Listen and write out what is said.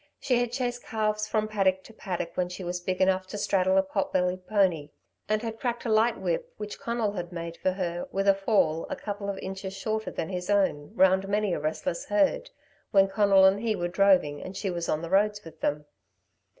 She had chased calves from paddock to paddock when she was big enough to straddle a pot bellied pony, and had cracked a light whip which Conal had made for her, with a fall a couple of inches shorter than his own, round many a restless herd when Conal and he were droving and she was on the roads with them.